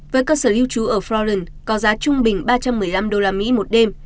với cơ sở lưu trú ở florin có giá trung bình ba trăm một mươi năm usd một đêm